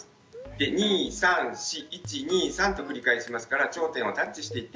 で２３４１２３と繰り返しますから頂点をタッチしていって下さい。